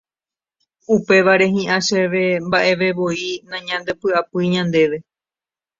Upévare hi'ã chéve mba'evevoi nañandepy'apýi ñandéve